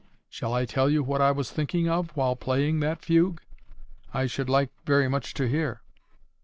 —Shall I tell you what I was thinking of while playing that fugue?" "I should like much to hear."